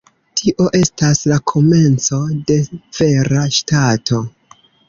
Tio estas la komenco de vera ŝtato.